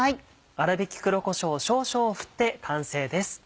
粗びき黒こしょう少々振って完成です。